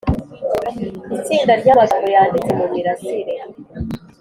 itsinda ry amagambo yanditse mu mirasire